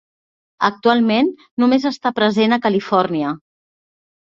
Actualment només està present a Califòrnia.